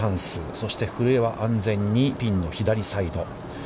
そして古江は安全にピンの左サイド。